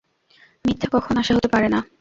মিথ্যা কখন আশা হতে পারে না।